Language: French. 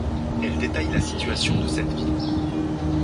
Elle détaille la situation de cette ville.